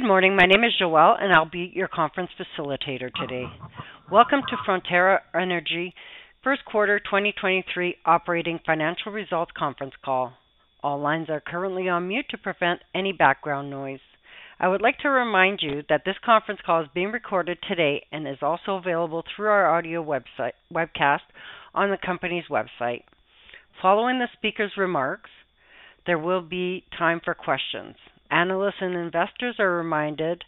Good morning. My name is Joelle. I'll be your conference facilitator today. Welcome to Frontera Energy first quarter 2023 operating financial results conference call. All lines are currently on mute to prevent any background noise. I would like to remind you that this conference call is being recorded today and is also available through our audio webcast on the company's website. Following the speaker's remarks, there will be time for questions. Analysts and investors are reminded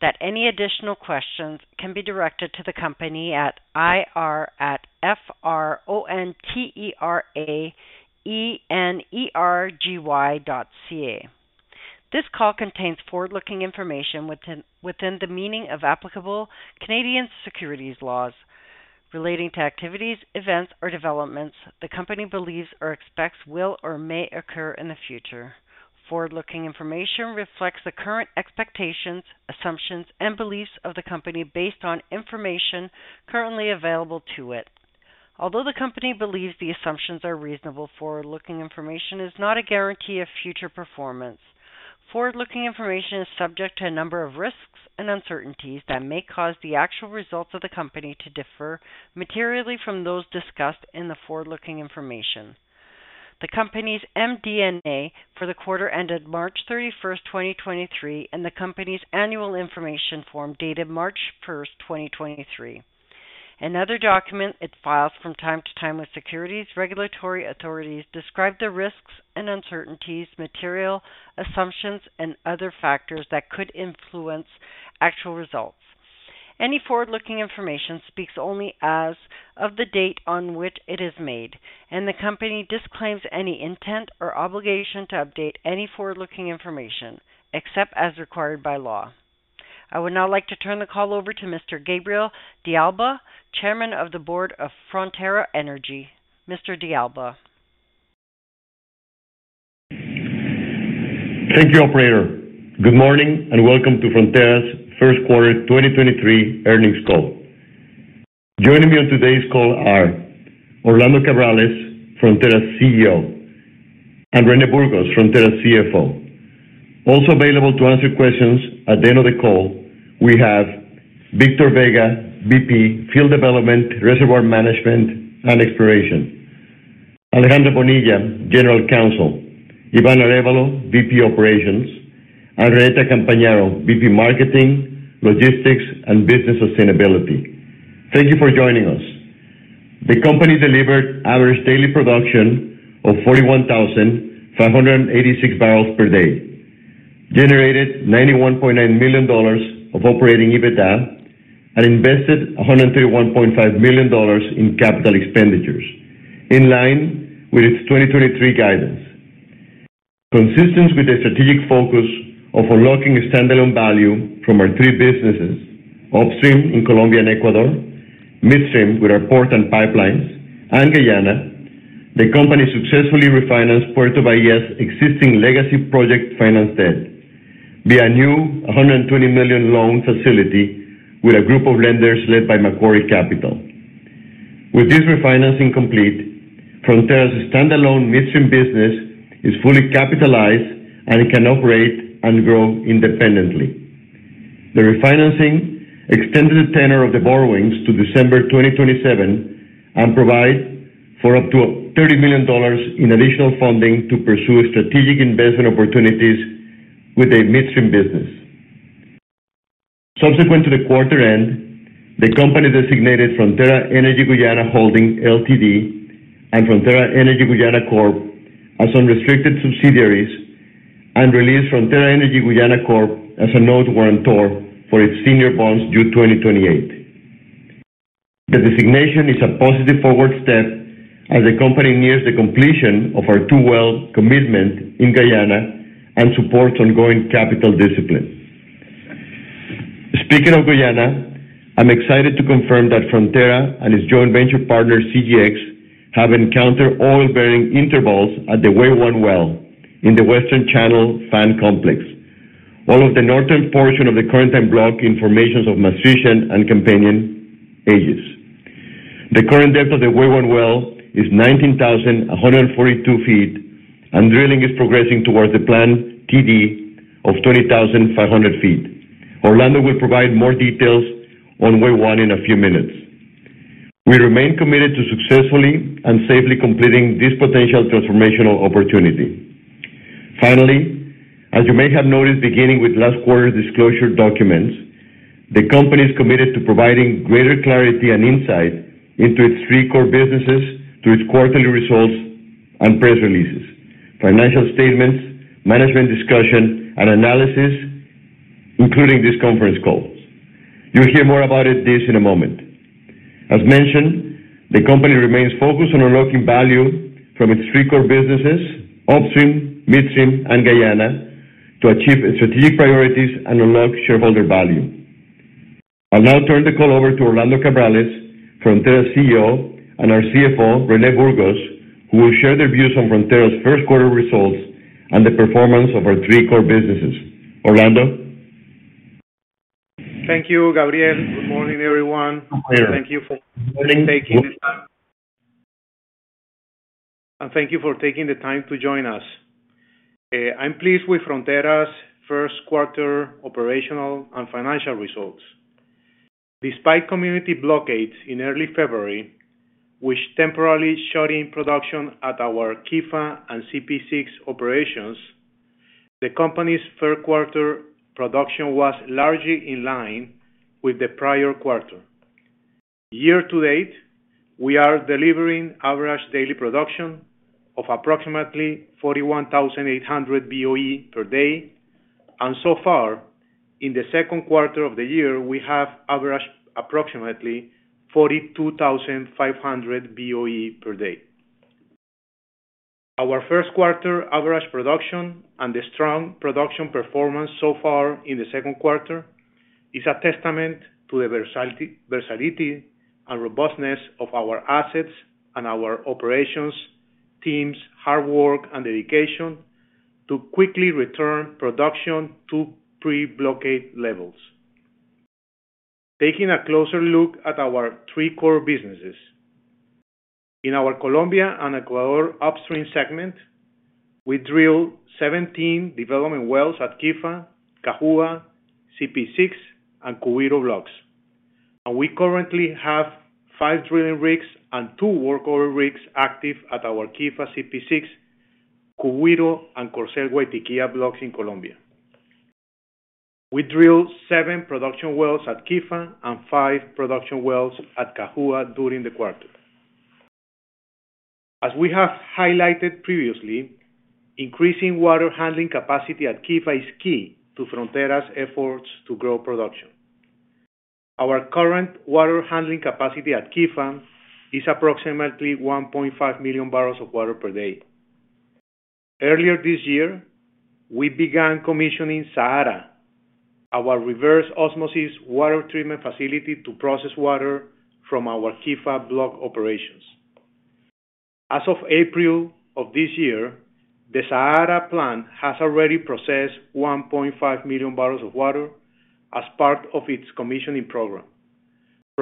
that any additional questions can be directed to the company at ir@F-R-O-N-T-E-R-A-E-N-E-R-G-Y.ca. This call contains forward-looking information within the meaning of applicable Canadian securities laws relating to activities, events, or developments the company believes or expects will or may occur in the future. Forward-looking information reflects the current expectations, assumptions, and beliefs of the company based on information currently available to it. Although the company believes the assumptions are reasonable, forward-looking information is not a guarantee of future performance. Forward-looking information is subject to a number of risks and uncertainties that may cause the actual results of the company to differ materially from those discussed in the forward-looking information. The company's MD&A for the quarter ended March 31st, 2023, and the company's annual information form dated March 1st, 2023. Another document it files from time to time with securities regulatory authorities describe the risks and uncertainties, material assumptions, and other factors that could influence actual results. Any forward-looking information speaks only as of the date on which it is made, and the company disclaims any intent or obligation to update any forward-looking information, except as required by law. I would now like to turn the call over to Mr. Gabriel de Alba, chairman of the board of Frontera Energy. Mr. De Alba. Thank you, operator. Good morning and welcome to Frontera's first-quarter 2023 earnings call. Joining me on today's call are Orlando Cabrales, Frontera's CEO, and René Burgos, Frontera's CFO. Also available to answer questions at the end of the call, we have Victor Vega, VP, Field Development, Reservoir Management, and Exploration. Alejandra Bonilla, General Counsel. Iván Arévalo, VP, Operations. Renata Campagnaro, VP, Marketing, Logistics, and Business Sustainability. Thank you for joining us. The company delivered average daily production of 41,586 barrels per day, generated $91.9 million of operating EBITDA, and invested $131.5 million in capital expenditures, in line with its 2023 guidance. Consistent with the strategic focus of unlocking standalone value from our three businesses, upstream in Colombia and Ecuador, midstream with our port and pipelines, and Guyana, the company successfully refinanced Puerto Bahía's existing legacy project finance debt via a new $120 million loan facility with a group of lenders led by Macquarie Capital. With this refinancing complete, Frontera's standalone midstream business is fully capitalized and can operate and grow independently. The refinancing extended the tenor of the borrowings to December 2027 and provide for up to $30 million in additional funding to pursue strategic investment opportunities with a midstream business. Subsequent to the quarter end, the company designated Frontera Energy Guyana Holding Ltd. and Frontera Energy Guyana Corp. as unrestricted subsidiaries and released Frontera Energy Guyana Corp. as a note guarantor for its senior bonds due 2028. The designation is a positive forward step as the company nears the completion of our two well commitment in Guyana and supports ongoing capital discipline. Speaking of Guyana, I'm excited to confirm that Frontera and its joint venture partner, CGX, have encountered oil-bearing intervals at the Wei-1 well in the Western Channel Fan Complex, all of the northern portion of the Corentyne block formations of Maastrichtian and Campanian ages. The current depth of the Wei-1 well is 19,142 feet, and drilling is progressing towards the planned TD of 20,500 feet. Orlando will provide more details on Wei-1 in a few minutes. We remain committed to successfully and safely completing this potential transformational opportunity. Finally, as you may have noticed, beginning with last quarter's disclosure documents, the company is committed to providing greater clarity and insight into its three core businesses through its quarterly results and press releases, financial statements, Management Discussion and Analysis, including this conference call. You'll hear more about this in a moment. As mentioned, the company remains focused on unlocking value from its three core businesses, upstream, midstream, and Guyana, to achieve its strategic priorities and unlock shareholder value. I'll now turn the call over to Orlando Cabrales, Frontera's CEO, and our CFO, René Burgos, who will share their views on Frontera's first quarter results and the performance of our three core businesses. Orlando. Thank you, Gabriel. Good morning, everyone. Thank you for Thank you for taking the time to join us. I'm pleased with Frontera's first quarter operational and financial results. Despite community blockades in early February, which temporarily shutting production at our Quifa and CPE-6 operations, the company's first quarter production was largely in line with the prior quarter. Year to date, we are delivering average daily production of approximately 41,800 BOE per day. So far, in the second quarter of the year, we have averaged approximately 42,500 BOE per day. Our first quarter average production and the strong production performance so far in the second quarter is a testament to the versatility and robustness of our assets and our operations teams' hard work and dedication to quickly return production to pre-blockade levels. Taking a closer look at our three core businesses. In our Colombia and Ecuador upstream segment, we drilled 17 development wells at Quifa, Cajua, CPE-6, and Cubiro blocks. We currently have five drilling rigs and two workover rigs active at our Quifa, CPE-6, Cubiro, and Corcel, Guatiquia blocks in Colombia. We drilled seven production wells at Quifa and 5fiveproduction wells at Cajua during the quarter. As we have highlighted previously, increasing water handling capacity at Quifa is key to Frontera's efforts to grow production. Our current water handling capacity at Quifa is approximately 1.5 million barrels of water per day. Earlier this year, we began commissioning SAARA, our reverse osmosis water treatment facility to process water from our Quifa block operations. As of April of this year, the SAARA plant has already processed 1.5 million barrels of water as part of its commissioning program,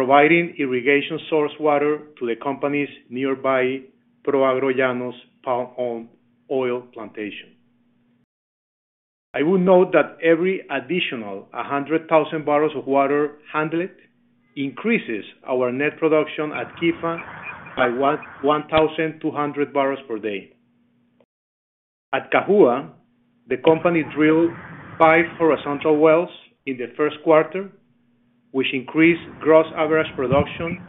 providing irrigation source water to the company's nearby Proagrollanos palm oil plantation. I will note that every additional 100,000 barrels of water handled increases our net production at Quifa by 1,200 barrels per day. At Cajua, the company drilled five horizontal wells in the first quarter, which increased gross average production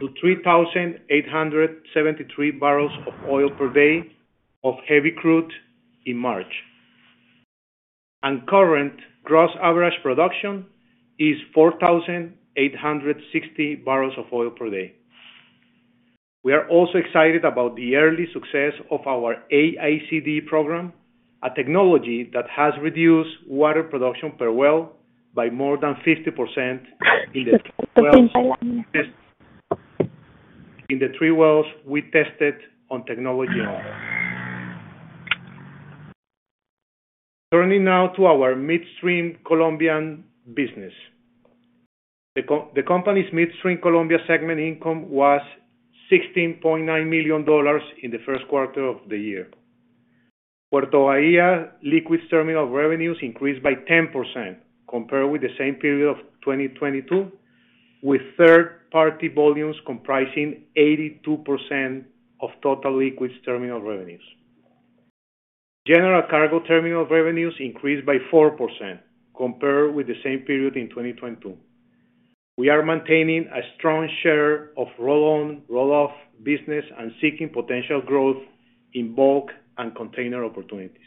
to 3,873 barrels of oil per day of heavy crude in March. Current gross average production is 4,860 barrels of oil per day. We are also excited about the early success of our AICD program, a technology that has reduced water production per well by more than 50% in the three wells we tested in the three wells we tested on technology alone. Turning now to our midstream Colombian business. The company's midstream Colombian segment income was $16.9 million in the first quarter of the year. Puerto Vallejo liquids terminal revenues increased by 10% compared with the same period of 2022, with third-party volumes comprising 82% of total liquids terminal revenues. General cargo terminal revenues increased by 4% compared with the same period in 2022. We are maintaining a strong share of roll on, roll off business and seeking potential growth in bulk and container opportunities.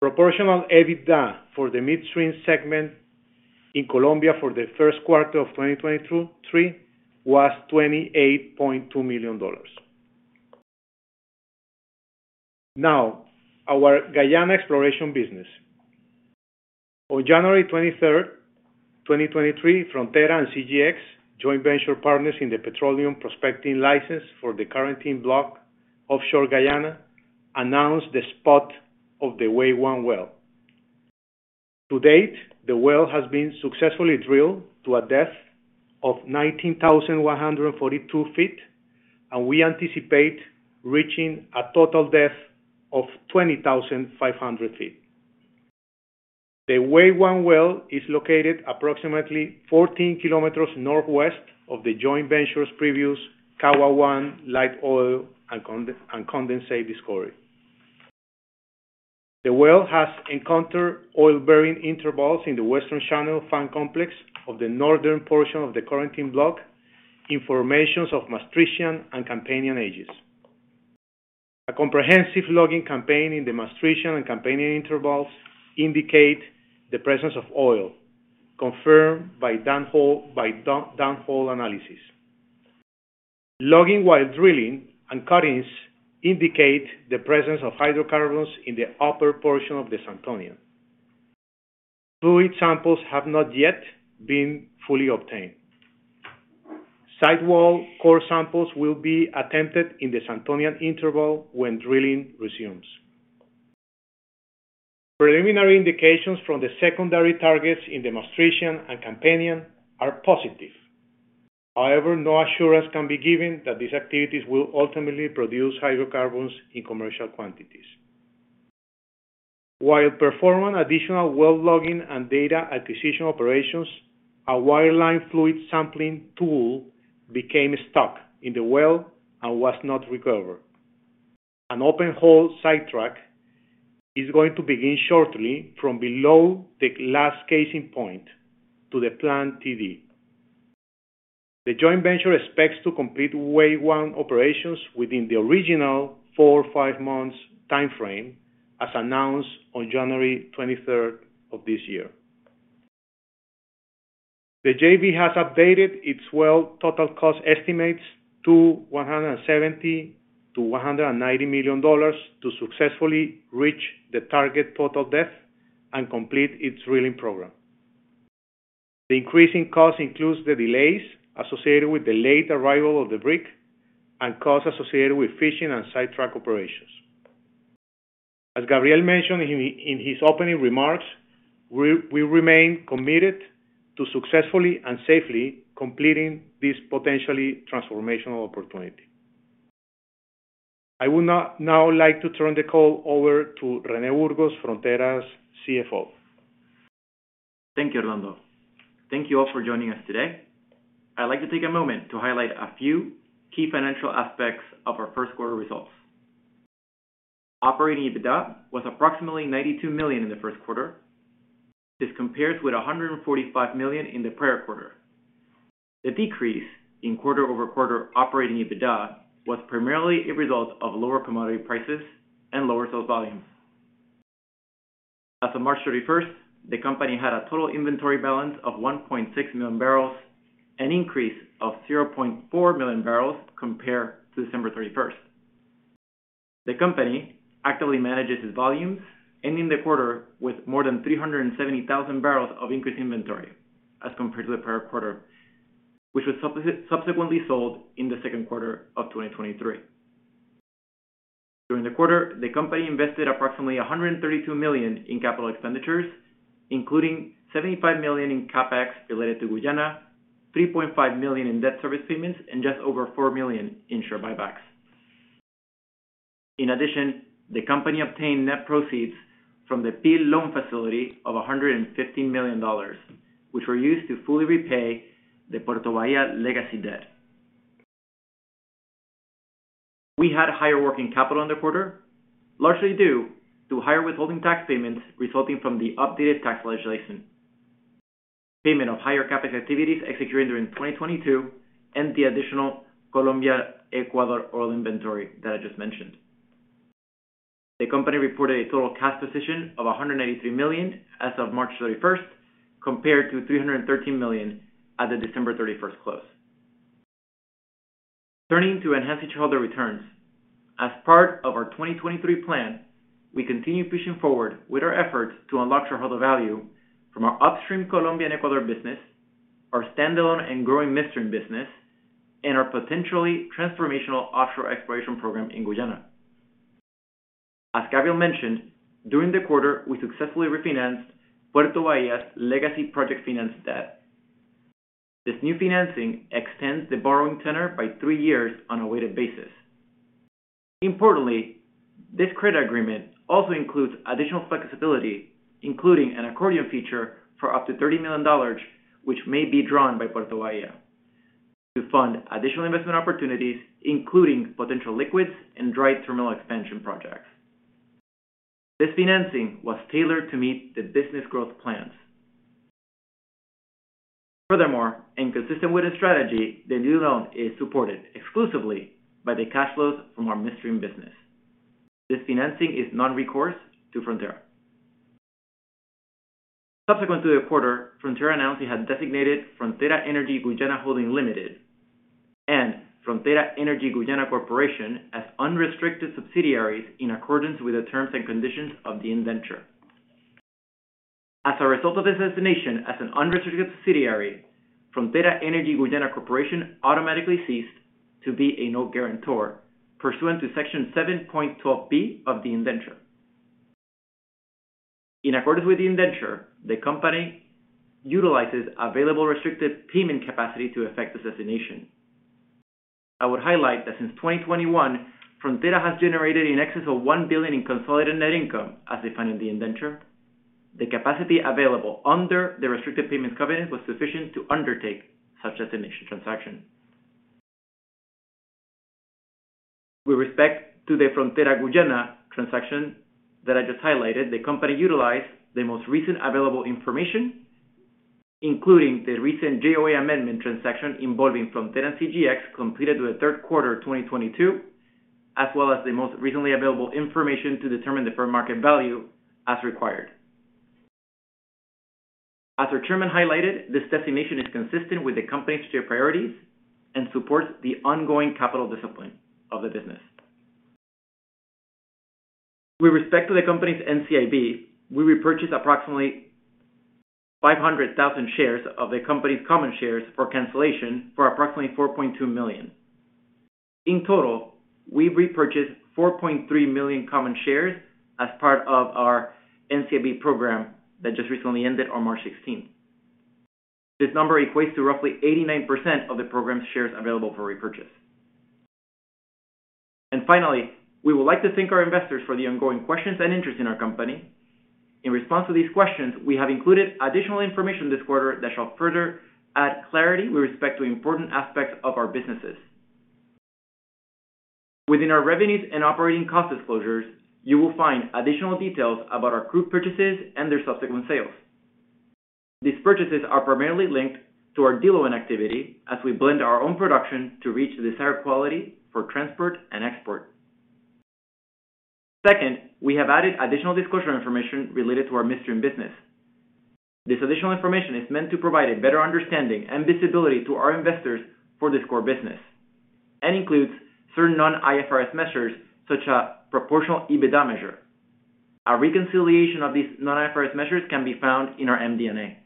Proportional EBITDA for the midstream segment in Colombia for the first quarter of 2023 was $28.2 million. Our Guyana exploration business. On January 23, 2023, Frontera and CGX, joint venture partners in the Petroleum Prospecting Licence for the Corentyne block offshore Guyana, announced the spud of the Wei-1 well. To date, the well has been successfully drilled to a depth of 19,142 feet, and we anticipate reaching a total depth of 20,500 feet. The Wei-1 well is located approximately 14 kilometers northwest of the joint venture's previous Kawa-1 light oil and condensate discovery. The well has encountered oil-bearing intervals in the Western Channel Fan Complex of the northern portion of the Corentyne block in formations of Maastrichtian and Campanian ages. A comprehensive logging campaign in the Maastrichtian and Campanian intervals indicate the presence of oil, confirmed by downhole analysis. Logging while drilling and cuttings indicate the presence of hydrocarbons in the upper portion of the Santonian. Fluid samples have not yet been fully obtained. Sidewall core samples will be attempted in the Santonian interval when drilling resumes. Preliminary indications from the secondary targets in demonstration and Campanian are positive. No assurance can be given that these activities will ultimately produce hydrocarbons in commercial quantities. While performing additional well logging and data acquisition operations, a wireline fluid sampling tool became stuck in the well and was not recovered. An open hole sidetrack is going to begin shortly from below the last casing point to the planned TD. The joint venture expects to complete wave one operations within the original four or five months timeframe, as announced on January 23rd of this year. The JV has updated its well total cost estimates to $170 million-$190 million to successfully reach the target total depth and complete its drilling program. The increasing cost includes the delays associated with the late arrival of the rig and costs associated with fishing and sidetrack operations. As Gabriel mentioned in his opening remarks, we remain committed to successfully and safely completing this potentially transformational opportunity. I would now like to turn the call over to René Burgos, Frontera's CFO. Thank you, Orlando. Thank you all for joining us today. I'd like to take a moment to highlight a few key financial aspects of our first quarter results. Operating EBITDA was approximately $92 million in the first quarter. This compares with $145 million in the prior quarter. The decrease in quarter-over-quarter operating EBITDA was primarily a result of lower commodity prices and lower sales volumes. As of March 31st, the company had a total inventory balance of 1.6 million barrels, an increase of 0.4 million barrels compared to December 31st. The company actively manages its volumes, ending the quarter with more than 370,000 barrels of increased inventory as compared to the prior quarter, which was subsequently sold in the second quarter of 2023. During the quarter, the company invested approximately $132 million in capital expenditures, including $75 million in CapEx related to Guyana, $3.5 million in debt service payments, and just over $4 million in share buybacks. In addition, the company obtained net proceeds from the PIL Loan Facility of $150 million, which were used to fully repay the Puerto Valle legacy debt. We had higher working capital in the quarter, largely due to higher withholding tax payments resulting from the updated tax legislation. Payment of higher CapEx activities executing during 2022 and the additional Colombia, Ecuador oil inventory that I just mentioned. The company reported a total cash position of $183 million as of March 31st, compared to $313 million at the December 31st close. Turning to enhancing shareholder returns. As part of our 2023 plan, we continue pushing forward with our efforts to unlock shareholder value from our upstream Colombia and Ecuador business, our standalone and growing midstream business, and our potentially transformational offshore exploration program in Guyana. As Gabriel mentioned, during the quarter, we successfully refinanced Puerto Valle's legacy project finance debt. This new financing extends the borrowing tenor by three years on a weighted basis. Importantly, this credit agreement also includes additional flexibility, including an accordion feature for up to $30 million, which may be drawn by Puerto Valle to fund additional investment opportunities, including potential liquids and dry terminal expansion projects. This financing was tailored to meet the business growth plans. Consistent with the strategy, the new loan is supported exclusively by the cash flows from our midstream business. This financing is non-recourse to Frontera. Subsequent to the quarter, Frontera announced it had designated Frontera Energy Guyana Holding Limited and Frontera Energy Guyana Corporation as unrestricted subsidiaries in accordance with the terms and conditions of the indenture. As a result of this designation as an unrestricted subsidiary, Frontera Energy Guyana Corporation automatically ceased to be a note guarantor pursuant to Section 7.12 B of the indenture. In accordance with the indenture, the company utilizes available restricted payment capacity to affect this designation. I would highlight that since 2021, Frontera has generated in excess of $1 billion in consolidated net income, as defined in the indenture. The capacity available under the restricted payments covenant was sufficient to undertake such a designation transaction. With respect to the Frontera Guyana transaction that I just highlighted, the company utilized the most recent available information, including the recent JOA amendment transaction involving Frontera and CGX completed the third quarter of 2022, as well as the most recently available information to determine the fair market value as required. As our Chairman highlighted, this designation is consistent with the company's tier priorities and supports the ongoing capital discipline of the business. With respect to the company's NCIB, we repurchased approximately 500,000 shares of the company's common shares for cancellation for approximately $4.2 million. In total, we've repurchased 4.3 million common shares as part of our NCIB program that just recently ended on March 16th. This number equates to roughly 89% of the program's shares available for repurchase. Finally, we would like to thank our investors for the ongoing questions and interest in our company. In response to these questions, we have included additional information this quarter that shall further add clarity with respect to important aspects of our businesses. Within our revenues and operating cost disclosures, you will find additional details about our crude purchases and their subsequent sales. These purchases are primarily linked to our diluent activity as we blend our own production to reach the desired quality for transport and export. Second, we have added additional disclosure information related to our midstream business. This additional information is meant to provide a better understanding and visibility to our investors for this core business, and includes certain non-IFRS measures such as proportional EBITDA measure. Our reconciliation of these non-IFRS measures can be found in our MD&A.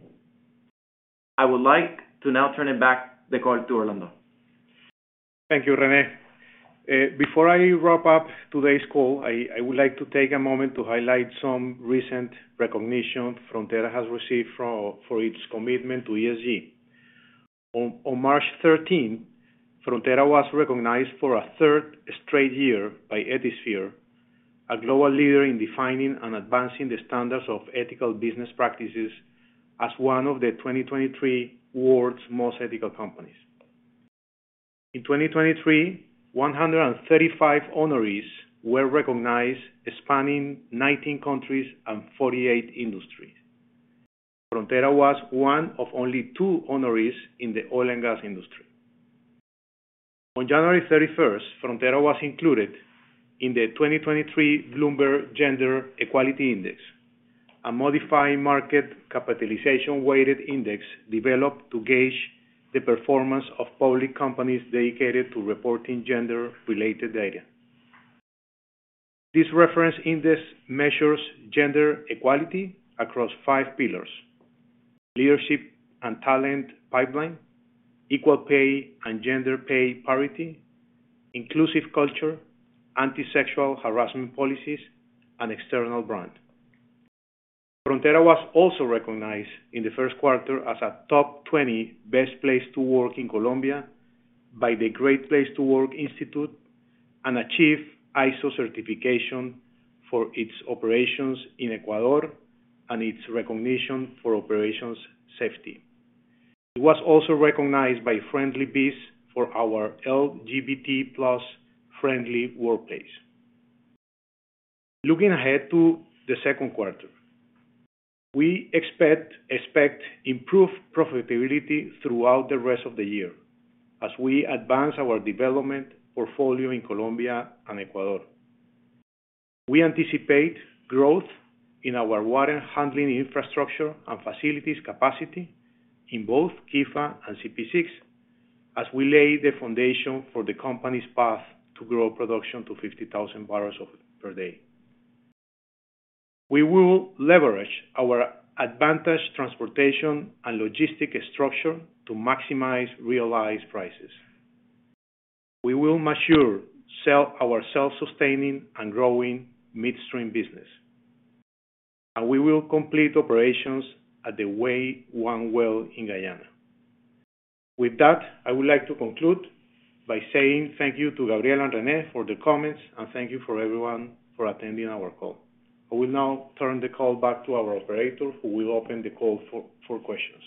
I would like to now turn it back the call to Orlando. Thank you René, . Before I wrap up today's call, I would like to take a moment to highlight some recent recognition Frontera has received for its commitment to ESG. On March 13, Frontera was recognized for a third straight year by Ethisphere, a global leader in defining and advancing the standards of ethical business practices, as one of the 2023 world's most ethical companies. In 2023, 135 honorees were recognized, spanning 19 countries and 48 industries. Frontera was one of only two honorees in the oil and gas industry. On January 31st, Frontera was included in the 2023 Bloomberg Gender-Equality Index, a modified market capitalization weighted index developed to gauge the performance of public companies dedicated to reporting gender-related data. This reference index measures gender equality across five pillars: leadership and talent pipeline, equal pay and gender pay parity, inclusive culture, anti-sexual harassment policies, and external brand. Frontera was also recognized in the first quarter as a top 20 best place to work in Colombia by the Great Place to Work Institute, and achieve ISO certification for its operations in Ecuador and its recognition for operations safety. It was also recognized by Friendly Biz for our LGBT+ friendly workplace. Looking ahead to the second quarter, we expect improved profitability throughout the rest of the year as we advance our development portfolio in Colombia and Ecuador. We anticipate growth in our water handling infrastructure and facilities capacity in both Quifa and CPE-6 as we lay the foundation for the company's path to grow production to 50,000 barrels per day. We will leverage our advantage, transportation, and logistic structure to maximize realized prices. We will mature our self-sustaining and growing midstream business, and we will complete operations at the Wei-1 well in Guyana. With that, I would like to conclude by saying thank you to Gabriel and René for the comments, and thank you for everyone for attending our call. I will now turn the call back to our operator, who will open the call for questions.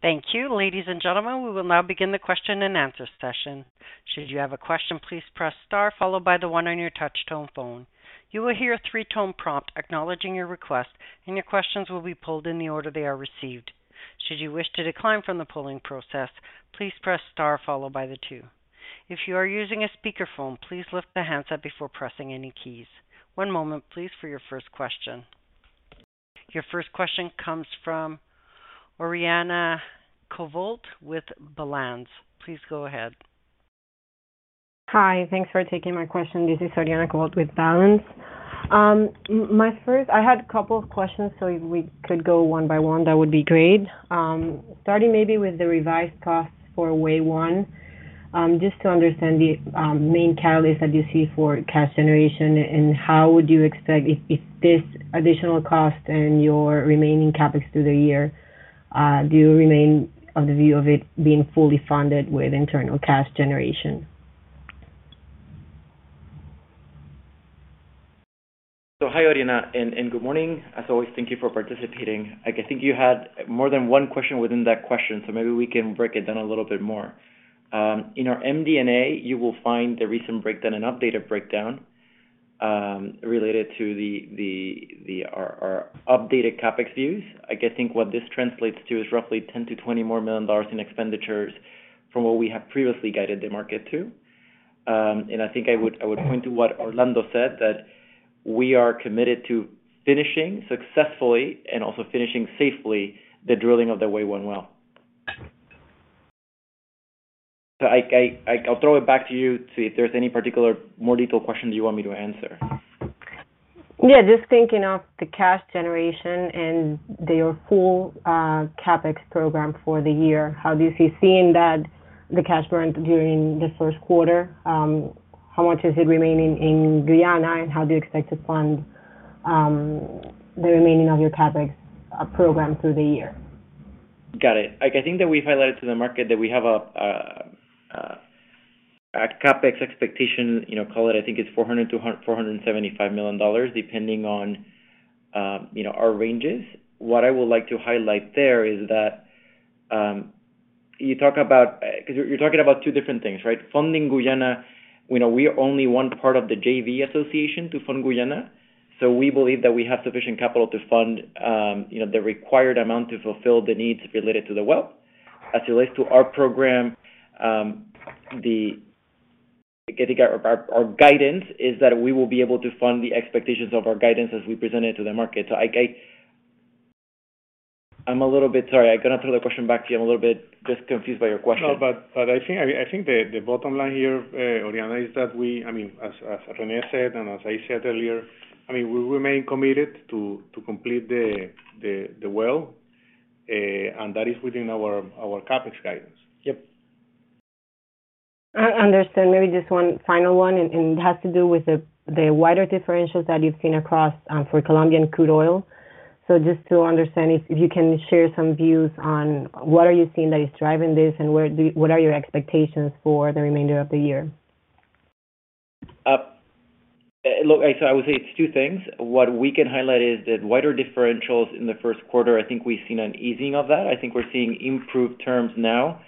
Thank you. Ladies and gentlemen, we will now begin the question and answer session. Should you have a question, please press star followed by the one on your touch tone phone. You will hear three-tone prompt acknowledging your request, and your questions will be pulled in the order they are received. Should you wish to decline from the polling process, please press star followed by the two. If you are using a speaker phone, please lift the handset before pressing any keys. One moment please for your first question. Your first question comes from Oriana Covault with Balanz Capital. Please go ahead. Hi. Thanks for taking my question. This is Oriana Covault with Balanz Capital. I had a couple of questions, so if we could go one by one, that would be great. Starting maybe with the revised costs for Wei-1, just to understand the main catalyst that you see for cash generation and how would you expect if this additional cost and your remaining CapEx through the year, do you remain of the view of it being fully funded with internal cash generation? Hi, Oriana, and good morning. As always, thank you for participating. I think you had more than one question within that question, maybe we can break it down a little bit more. In our MD&A, you will find the recent breakdown and updated breakdown related to our updated CapEx views. I think what this translates to is roughly $10 million-$20 million more in expenditures from what we have previously guided the market to. I think I would point to what Orlando said, that we are committed to finishing successfully and also finishing safely the drilling of the Wei-1 well. I'll throw it back to you to see if there's any particular more detailed questions you want me to answer. Yeah, just thinking of the cash generation and your full CapEx program for the year. How do you seeing that the cash burn during the first quarter, how much is it remaining in Guyana? How do you expect to fund the remaining of your CapEx program through the year? Got it. Like, I think that we've highlighted to the market that we have a CapEx expectation, you know, call it I think it's $400 million-$475 million, depending on, you know, our ranges. What I would like to highlight there is that, you're talking about two different things, right? Funding Guyana, you know, we are only one part of the JV association to fund Guyana. We believe that we have sufficient capital to fund, you know, the required amount to fulfill the needs related to the well. As it relates to our program, getting our guidance is that we will be able to fund the expectations of our guidance as we present it to the market. I'm a little bit sorry. I'm gonna throw the question back to you. I'm a little bit just confused by your question. I think the bottom line here, Oriana, is that I mean, as René said, and as I said earlier, I mean, we remain committed to complete the well, and that is within our CapEx guidance. Yep. I understand. Maybe just one final one, and it has to do with the wider differentials that you've seen across for Colombian crude oil. Just to understand if you can share some views on what are you seeing that is driving this and where what are your expectations for the remainder of the year? Look, I would say it's two things. What we can highlight is that wider differentials in the first quarter, I think we've seen an easing of that. I think we're seeing improved terms now.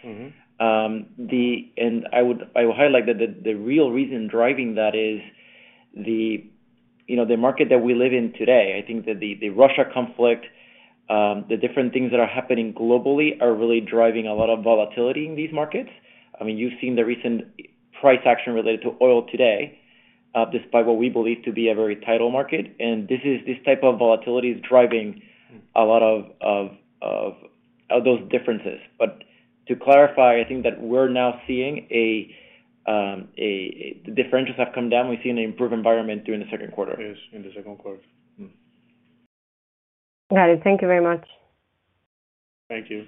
Mm-hmm. I would highlight that the real reason driving that is, you know, the market that we live in today. I think that the Russia conflict, the different things that are happening globally are really driving a lot of volatility in these markets. I mean, you've seen the recent price action related to oil today, despite what we believe to be a very tight market. This type of volatility is driving a lot of those differences. To clarify, I think that we're now seeing the differentials have come down. We've seen an improved environment during the second quarter. Yes, in the second quarter. Mm-hmm. Got it. Thank you very much. Thank you.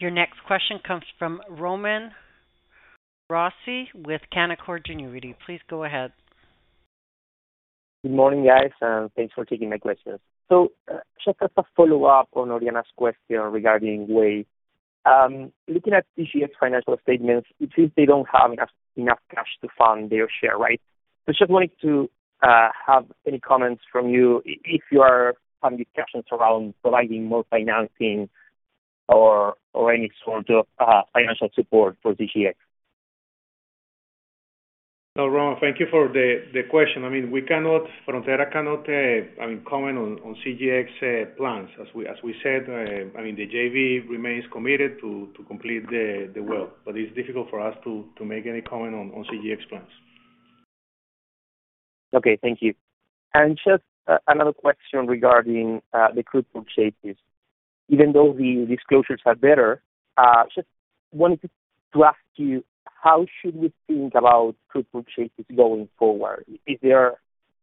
Your next question comes from Román Rossi with Canaccord Genuity. Please go ahead. Good morning, guys, and thanks for taking my questions. Just as a follow-up on Oriana's question regarding Wei-1. Looking at CGX financial statements, it seems they don't have enough cash to fund their share, right? Just wanted to have any comments from you if you are having discussions around providing more financing or any sort of financial support for CGX. No, Román, thank you for the question. I mean, Frontera cannot, I mean, comment on CGX plans. As we said, I mean, the JV remains committed to complete the well, but it's difficult for us to make any comment on CGX plans. Okay. Thank you. Just another question regarding the crude purchases. Even though the disclosures are better, just wanted to ask you, how should we think about crude purchases going forward? Is there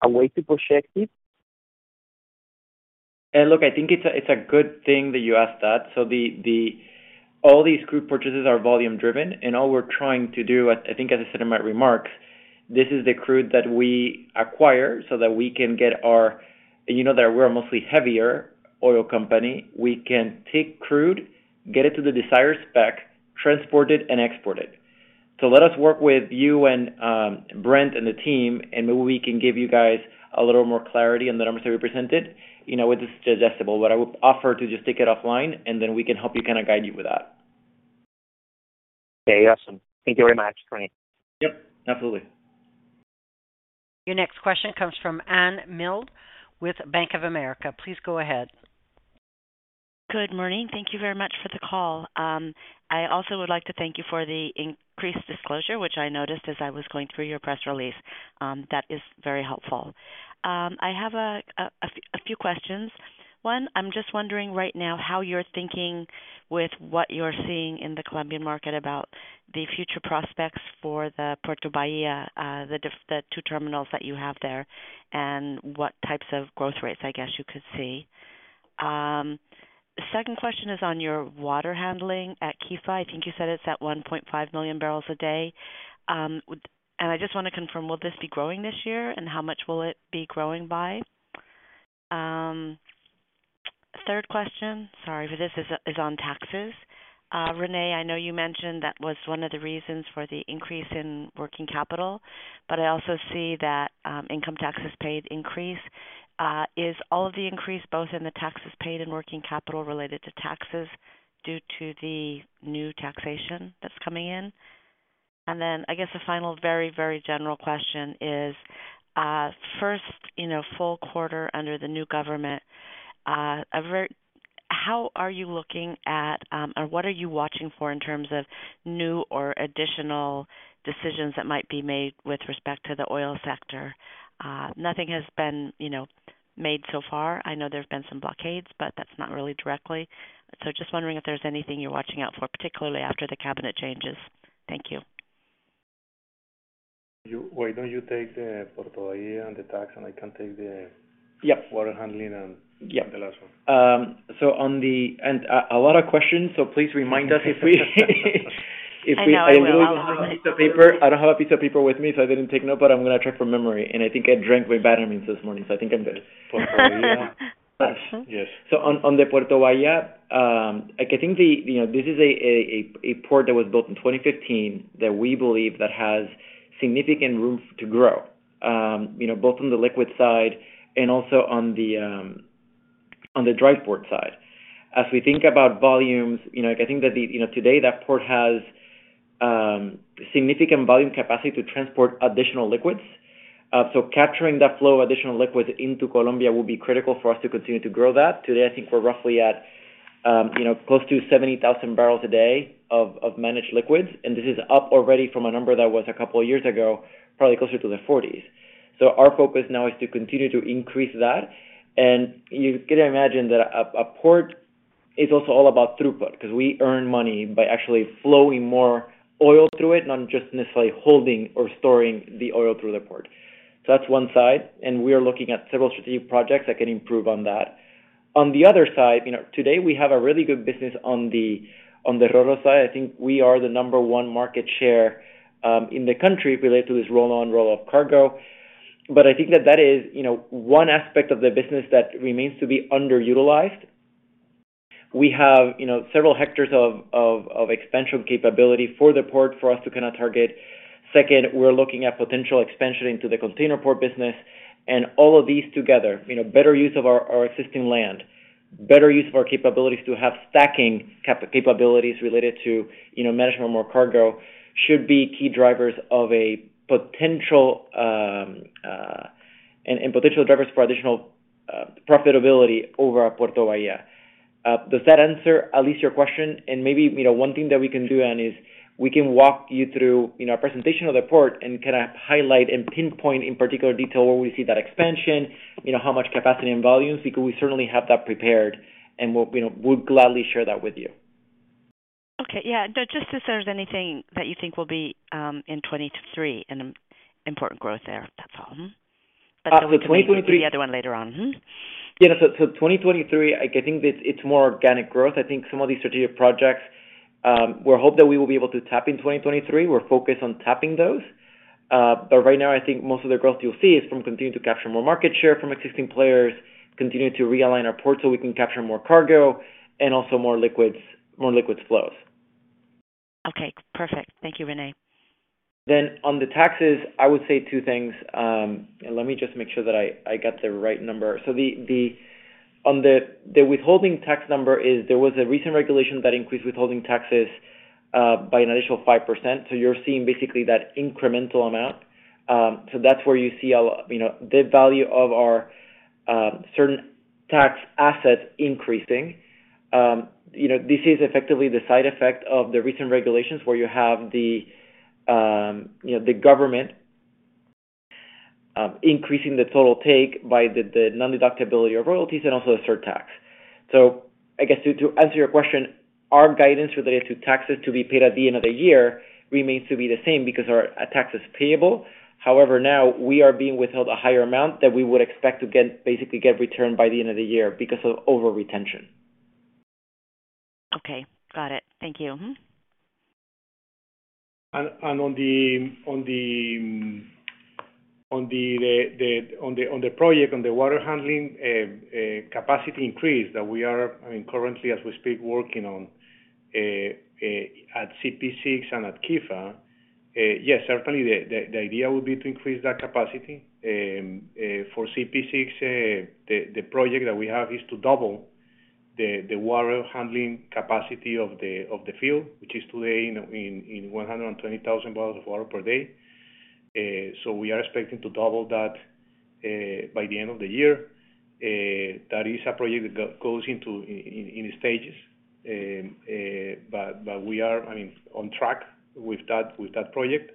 a way to project it? Look, I think it's a good thing that you ask that. All these crude purchases are volume driven, and all we're trying to do, I think as I said in my remarks, this is the crude that we acquire so that we can get our... You know that we're a mostly heavier oil company. We can take crude, get it to the desired spec, transport it and export it. Let us work with you and Brent and the team, and maybe we can give you guys a little more clarity on the numbers that we presented. You know, it is digestible. What I would offer to just take it offline, and then we can help you kinda guide you with that. Okay. Awesome. Thank you very much. Yep, absolutely. Your next question comes from Anne Tompkins with Bank of America. Please go ahead. Good morning. Thank you very much for the call. I also would like to thank you for the increased disclosure, which I noticed as I was going through your press release. That is very helpful. I have a few questions. One, I'm just wondering right now how you're thinking with what you're seeing in the Colombian market about the future prospects for the Puerto Bahía, the two terminals that you have there, and what types of growth rates, I guess, you could see. The second question is on your water handling at Quifa. I think you said it's at 1.5 million barrels a day. And I just wanna confirm, will this be growing this year? And how much will it be growing by? Third question, sorry for this, is on taxes. René, I know you mentioned that was one of the reasons for the increase in working capital, I also see that income taxes paid increase. Is all of the increase both in the taxes paid and working capital related to taxes due to the new taxation that's coming in? Then I guess a final very, very general question is, first, you know, full quarter under the new government, how are you looking at, or what are you watching for in terms of new or additional decisions that might be made with respect to the oil sector? Nothing has been, you know, made so far. I know there's been some blockades, but that's not really directly. Just wondering if there's anything you're watching out for, particularly after the cabinet changes. Thank you. Why don't you take the Puerto Valle and the tax, and I can take... Yep. water handling and Yep. the last one. On the and a lot of questions, so please remind us if we. I know, I will. A piece of paper. I don't have a piece of paper with me, so I didn't take note, but I'm gonna try from memory. I think I drank my vitamins this morning, so I think I'm good. Puerto Valle. Yes. On the Puerto Valle, I think you know, this is a port that was built in 2015 that we believe that has significant room to grow, you know, both on the liquid side and also on the dry port side. As we think about volumes, you know, I think that today, that port has significant volume capacity to transport additional liquids. Capturing that flow of additional liquids into Colombia will be critical for us to continue to grow that. Today, I think we're roughly at, you know, close to 70,000 barrels a day of managed liquids, and this is up already from a number that was a couple years ago, probably closer to the forties. Our focus now is to continue to increase that. You can imagine that a port is also all about throughput, because we earn money by actually flowing more oil through it, not just necessarily holding or storing the oil through the port. That's one side, and we are looking at several strategic projects that can improve on that. On the other side, you know, today we have a really good business on the ro-ro side. I think we are the number one market share in the country related to this roll-on, roll-off cargo. I think that that is, you know, one aspect of the business that remains to be underutilized. We have, you know, several hectares of expansion capability for the port for us to kinda target. Second, we're looking at potential expansion into the container port business. All of these together, you know, better use of our existing land, better use of our capabilities to have stacking capabilities related to, you know, managing more cargo should be key drivers of a potential and potential drivers for additional profitability over Puerto Valle. Does that answer at least your question? Maybe, you know, one thing that we can do, Anne, is we can walk you through, you know, a presentation of the port and kinda highlight and pinpoint in particular detail where we see that expansion, you know, how much capacity and volumes. We certainly have that prepared, and we'll, you know, we'll gladly share that with you. Okay. Yeah. Just if there's anything that you think will be in 2023 an important growth there. That's all. Mm-hmm. For 2023. The other one later on. Mm-hmm. Yeah. 2023, I think it's more organic growth. I think some of these strategic projects, we hope that we will be able to tap in 2023. We're focused on tapping those. Right now I think most of the growth you'll see is from continuing to capture more market share from existing players, continuing to realign our port so we can capture more cargo and also more liquids, more liquids flows. Okay. Perfect. Thank you, René. On the taxes, I would say two things. Let me just make sure that I got the right number. On the withholding tax number is there was a recent regulation that increased withholding taxes by an additional 5%, so you're seeing basically that incremental amount. That's where you see a, you know, the value of our certain tax assets increasing. You know, this is effectively the side effect of the recent regulations, where you have the, you know, the government increasing the total take by the non-deductibility of royalties and also the surtax. I guess to answer your question, our guidance related to taxes to be paid at the end of the year remains to be the same because our tax is payable. Now we are being withheld a higher amount that we would expect to basically get returned by the end of the year because of over-retention. Okay. Got it. Thank you. Mm-hmm. On the project, on the water handling capacity increase that we are, I mean, currently as we speak, working on at CP6 and at Quifa, yes, certainly the idea would be to increase that capacity. For CP6, the project that we have is to double the water handling capacity of the field, which is today in 120,000 barrels of water per day. We are expecting to double that by the end of the year. That is a project that goes into stages. We are, I mean, on track with that, with that project.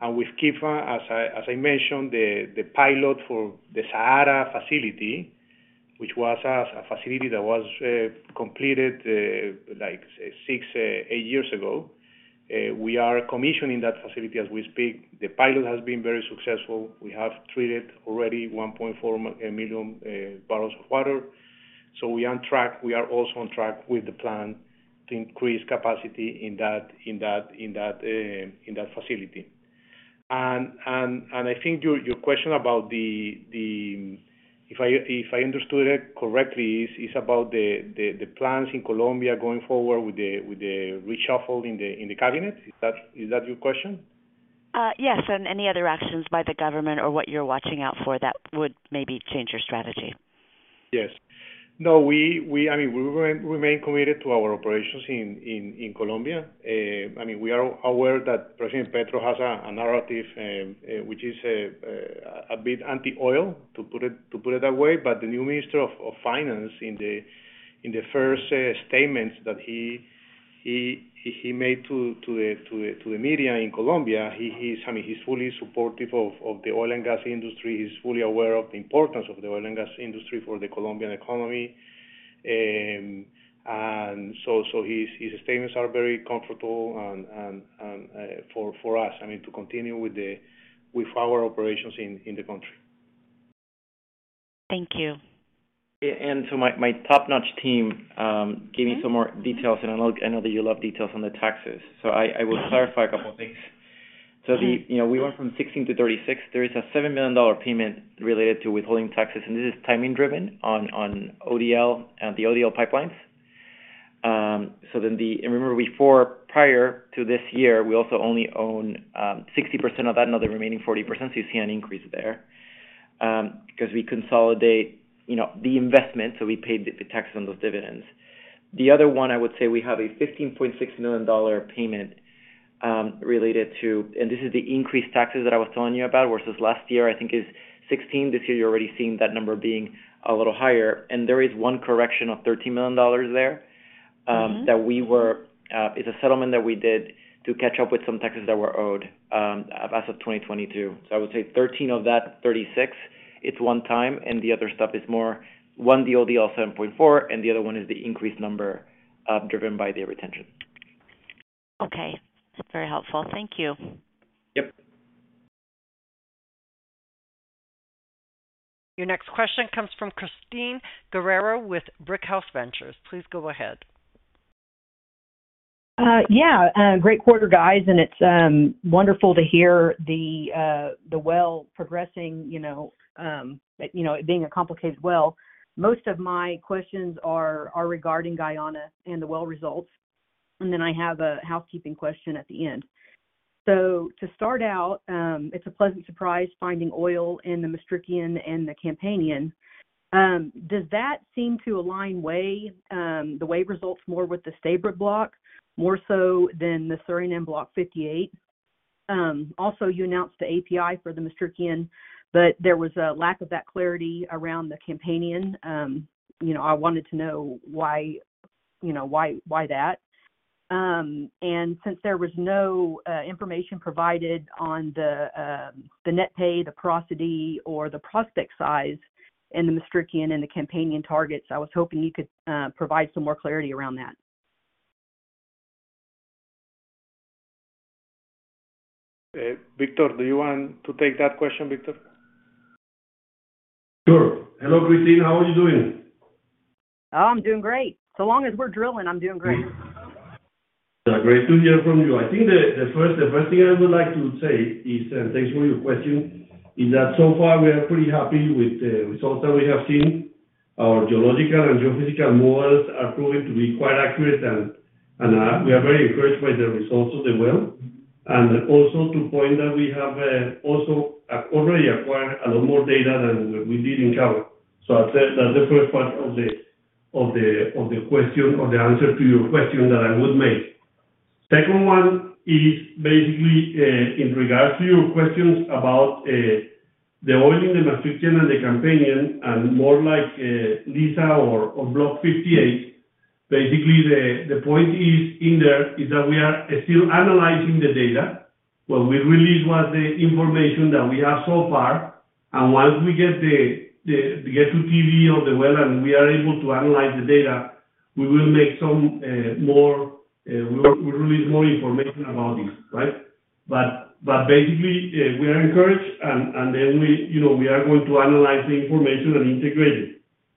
With Quifa, as I mentioned, the pilot for the SAARA facility, which was a facility that was completed like six, eight years ago, we are commissioning that facility as we speak. The pilot has been very successful. We have treated already 1.4 million barrels of water. We are on track. We are also on track with the plan to increase capacity in that facility. I think your question about the... If I understood it correctly, is about the plans in Colombia going forward with the reshuffle in the cabinet. Is that your question? Yes, any other actions by the government or what you're watching out for that would maybe change your strategy? Yes. No, we, I mean, we will remain committed to our operations in Colombia. I mean, we are aware that President Petro has a narrative, which is a bit anti-oil, to put it that way. The new minister of finance in the first statements that he made to the media in Colombia, he's, I mean, he's fully supportive of the oil and gas industry. He's fully aware of the importance of the oil and gas industry for the Colombian economy. His statements are very comfortable and for us, I mean, to continue with our operations in the country. Thank you. My, my top-notch team, gave me some more details, and I know that you love details on the taxes. I will clarify a couple of things. You know, we went from 16 to 36. There is a $7 million payment related to withholding taxes, and this is timing driven on ODL, the ODL pipelines. Remember we prior to this year, we also only own 60% of that, now the remaining 40%. You see an increase there, because we consolidate, you know, the investment, so we paid the tax on those dividends. The other one, I would say we have a $15.6 million payment, related to... this is the increased taxes that I was telling you about versus last year, I think is 16. This year you're already seeing that number being a little higher. there is one correction of $13 million there. Mm-hmm ...that we were, is a settlement that we did to catch up with some taxes that were owed as of 2022. I would say $13 of that $36, it's one time, and the other stuff is more one the ODL $7.4, and the other one is the increased number driven by the retention. Okay. That's very helpful. Thank you. Yep. Your next question comes from Christine Guerrero with Brickhouse Ventures. Please go ahead. Yeah. Great quarter, guys. It's wonderful to hear the well progressing, you know, you know, it being a complicated well. Most of my questions are regarding Guyana and the well results, and then I have a housekeeping question at the end. To start out, it's a pleasant surprise finding oil in the Maastrichtian and the Campanian. Does that seem to align way, the way results more with the Stabroek Block more so than the Surinam Block 58? Also, you announced the API for the Maastrichtian, but there was a lack of that clarity around the Campanian. You know, I wanted to know why, you know, why that. Since there was no information provided on the net pay, the porosity or the prospect size in the Maastrichtian and the Campanian targets, I was hoping you could provide some more clarity around that. Victor, do you want to take that question, Victor? Sure. Hello, Christine. How are you doing? I'm doing great. Long as we're drilling, I'm doing great. Great to hear from you. I think the first thing I would like to say is, and thanks for your question, is that so far we are pretty happy with the results that we have seen. Our geological and geophysical models are proving to be quite accurate and we are very encouraged by the results of the well. Also to point that we have already acquired a lot more data than we did in Kawa. I'd say that the first part of the question or the answer to your question that I would make. Second one is basically in regards to your questions about the oil in the Maastrichtian and the Campanian, and more like Liza or on Block 58. Basically, the point is in there is that we are still analyzing the data. What we released was the information that we have so far. Once we get to TD of the well, and we are able to analyze the data, we will make some more, we will release more information about this. Basically, we are encouraged and then we, you know, we are going to analyze the information and integrate it.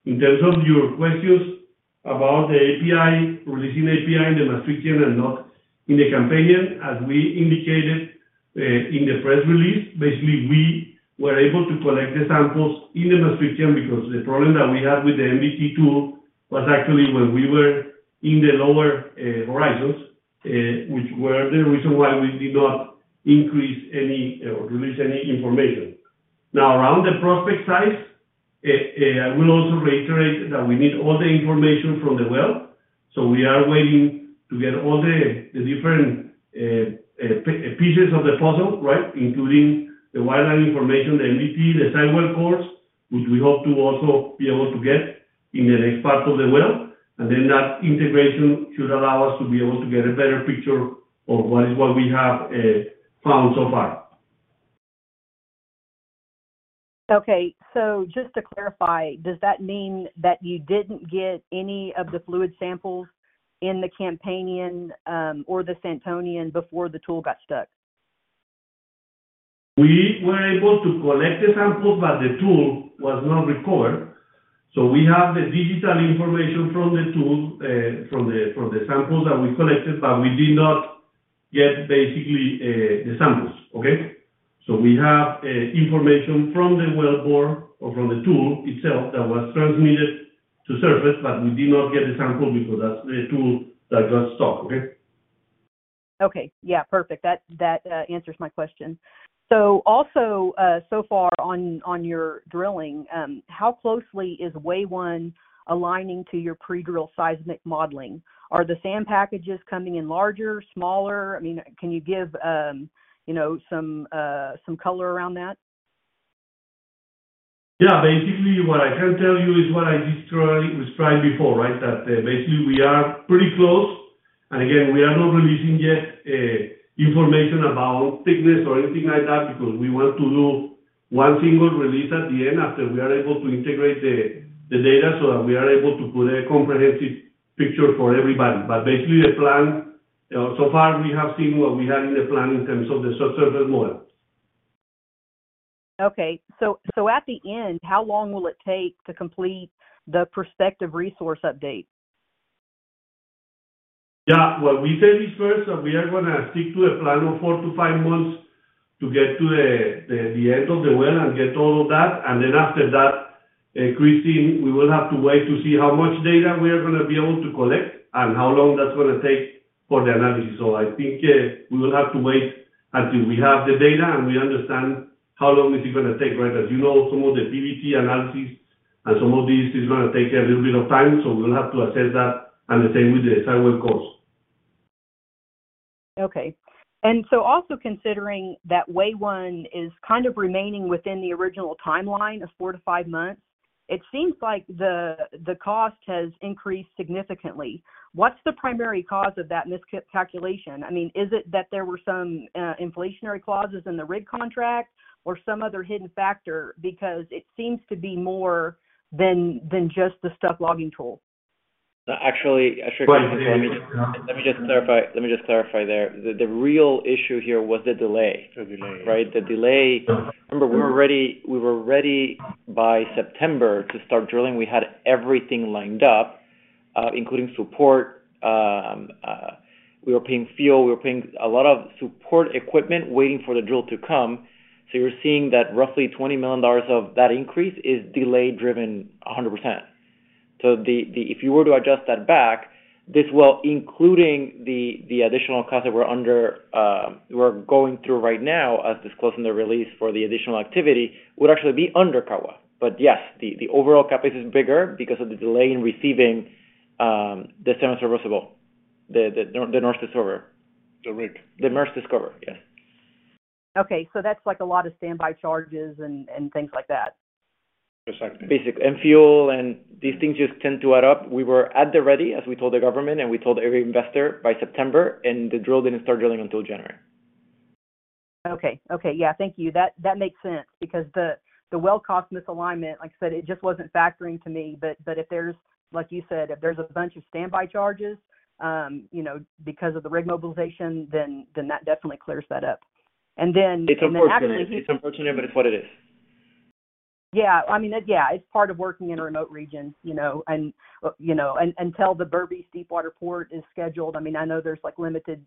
In terms of your questions about the API, releasing API in the Maastrichtian and not in the Campanian, as we indicated in the press release. Basically, we were able to collect the samples in the Maastrichtian because the problem that we had with the NDT tool was actually when we were in the lower horizons, which were the reason why we did not increase any or release any information. Around the prospect size, I will also reiterate that we need all the information from the well. We are waiting to get all the different pieces of the puzzle, right? Including the wireline information, the NDT, the sidewall cores, which we hope to also be able to get in the next part of the well. Then that integration should allow us to be able to get a better picture of what is what we have found so far. Okay. just to clarify, does that mean that you didn't get any of the fluid samples in the Campanian, or the Santonian before the tool got stuck? We were able to collect the samples. The tool was not recovered. We have the digital information from the tool, from the samples that we collected, but we did not get basically, the samples. Okay? We have information from the wellbore or from the tool itself that was transmitted to surface, but we did not get the sample because that's the tool that got stuck. Okay? Okay. Yeah, perfect. That answers my question. Also, so far on your drilling, how closely is Wei-1 aligning to your pre-drill seismic modeling? Are the sand packages coming in larger, smaller? I mean, can you give, you know, some color around that? Yeah. Basically, what I can tell you is what I described before, right? That basically we are pretty close Again, we are not releasing yet, information about thickness or anything like that because we want to do one single release at the end after we are able to integrate the data so that we are able to put a comprehensive picture for everybody. Basically, the plan, so far we have seen what we had in the plan in terms of the subsurface model. Okay. At the end, how long will it take to complete the prospective resource update? Yeah. Well, we said it first that we are gonna stick to a plan of four-five months to get to the end of the well and get all of that. After that, Christine, we will have to wait to see how much data we are gonna be able to collect and how long that's gonna take for the analysis. I think we will have to wait until we have the data and we understand how long is it gonna take, right? As you know, some of the PVT analysis and some of these is gonna take a little bit of time, so we'll have to assess that, and the same with the side well cost. Okay. Also considering that Wei-1 is kind of remaining within the original timeline of four to five months, it seems like the cost has increased significantly. What's the primary cause of that miscalculation? I mean, is it that there were some inflationary clauses in the rig contract or some other hidden factor? It seems to be more than just the stuck logging tool. Actually. Yeah. Let me just clarify there. The real issue here was the delay. The delay. Right? The delay. Remember, we were ready by September to start drilling. We had everything lined up, including support. We were paying fuel, we were paying a lot of support equipment waiting for the drill to come. You're seeing that roughly $20 million of that increase is delay driven 100%. If you were to adjust that back, this well, including the additional costs that we're under, we're going through right now as disclosed in the release for the additional activity, would actually be under Cajua. Yes, the overall capital is bigger because of the delay in receiving the 7th serviceable. The NobleDiscoverer. The rig. The Norsediscover, yes. Okay. That's like a lot of standby charges and things like that. Exactly. Basically. Fuel and these things just tend to add up. We were at the ready, as we told the government and we told every investor by September, the drill didn't start drilling until January. Okay. Okay. Yeah. Thank you. That makes sense because the well cost misalignment, like I said, it just wasn't factoring to me. If there's, like you said, if there's a bunch of standby charges, you know, because of the rig mobilization, then that definitely clears that up. Then- It's unfortunate. It's unfortunate, but it's what it is. Yeah. I mean, yeah, it's part of working in a remote region, you know, and, you know, until the Berbice Deepwater Port is scheduled. I mean, I know there's, like, limited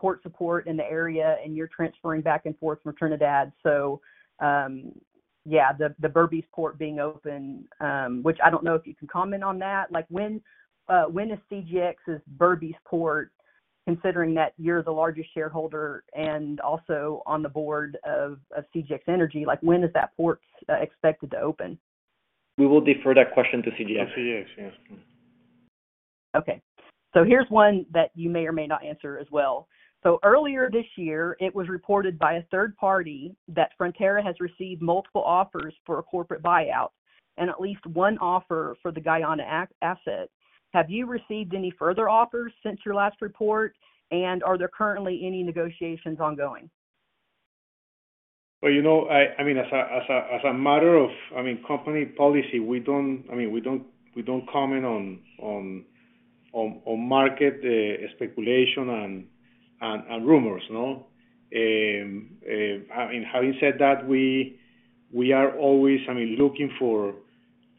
port support in the area, and you're transferring back and forth from Trinidad. The Berbice port being open, which I don't know if you can comment on that. Like, when is CGX Energy Inc.'s Berbice port, considering that you're the largest shareholder and also on the board of CGX Energy Inc., like, when is that port expected to open? We will defer that question to CGX. To CGX. Yes. Mm-hmm. Okay. Here's one that you may or may not answer as well. Earlier this year, it was reported by a third party that Frontera has received multiple offers for a corporate buyout and at least one offer for the Guyana asset. Have you received any further offers since your last report, and are there currently any negotiations ongoing? Well, you know, I mean, as a matter of, I mean, company policy, we don't, I mean, we don't comment on market speculation and rumors, you know. I mean, having said that, we are always, I mean, looking for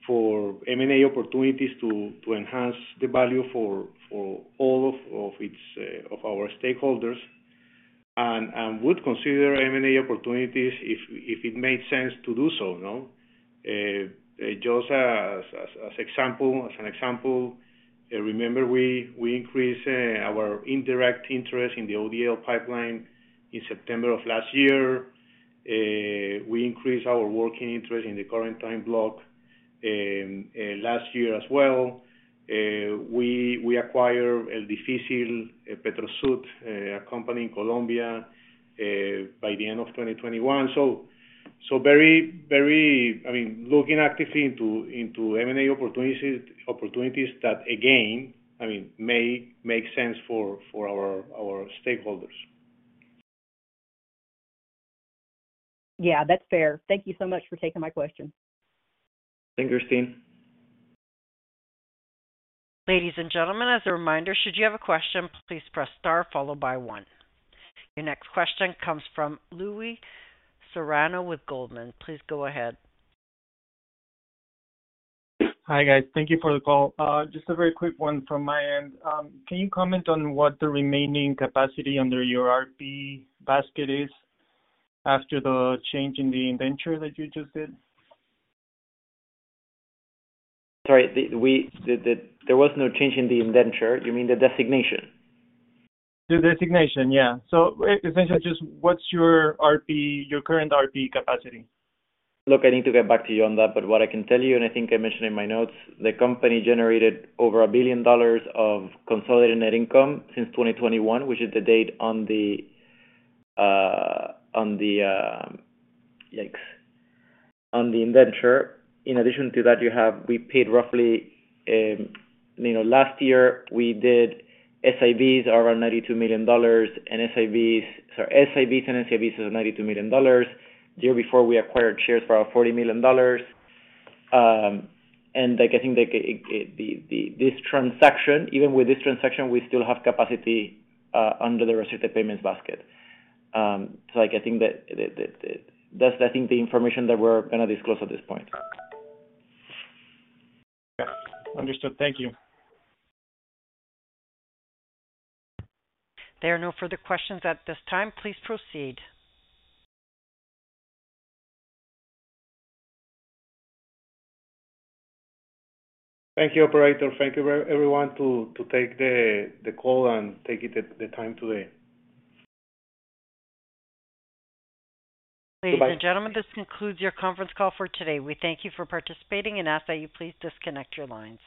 M&A opportunities to enhance the value for all of its, of our stakeholders. Would consider M&A opportunities if it made sense to do so, you know. Just as an example, remember we increased our indirect interest in the ODL pipeline in September of last year. We increased our working interest in the Corentyne block last year as well. We acquired El Difícil PetroSud, a company in Colombia, by the end of 2021. Very, very, I mean, looking actively into M&A opportunities that again, I mean, make sense for our stakeholders. Yeah, that's fair. Thank you so much for taking my question. Thanks, Christine. Ladies and gentlemen, as a reminder, should you have a question, please press star followed by one. Your next question comes from Eloi Serrano with Goldman please go ahead. Hi, guys. Thank you for the call. Just a very quick one from my end. Can you comment on what the remaining capacity under your RP basket is after the change in the indenture that you just did? Sorry. There was no change in the indenture. You mean the designation? The designation, yeah. Essentially just what's your RP, your current RP capacity? Look, I need to get back to you on that. What I can tell you, and I think I mentioned in my notes, the company generated over $1 billion of Consolidated Net Income since 2021, which is the date on the, on the, on the indenture. In addition to that, we paid roughly, you know, last year we did SIVs around $92 million, and SIVs... Sorry. SIVs and SIVs of $92 million. The year before, we acquired shares for our $40 million. Like, I think like, this transaction, even with this transaction, we still have capacity under the restricted payments basket. Like, I think that, That's, I think, the information that we're gonna disclose at this point. Okay. Understood. Thank you. There are no further questions at this time. Please proceed. Thank you, operator. Thank you very everyone to take the call and taking the time today. Bye-bye. Ladies and gentlemen, this concludes your conference call for today. We thank you for participating and ask that you please disconnect your lines.